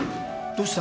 どうした？